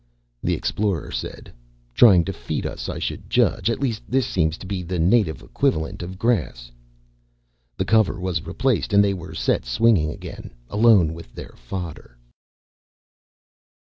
The Explorer said, "Trying to feed us, I should judge. At least this seems to be the native equivalent of grass." The cover was replaced and they were set swinging again, alone with their fodder.